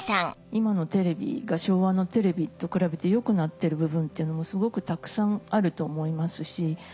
今のテレビが昭和のテレビと比べて良くなってる部分っていうのもすごくたくさんあると思いますし。